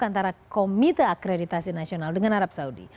antara komite akreditasi nasional dengan arab saudi